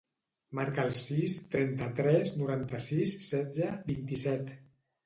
Marca el sis, trenta-tres, noranta-sis, setze, vint-i-set.